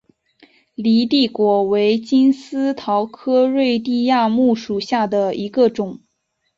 犁地果为金丝桃科瑞地亚木属下的一个种。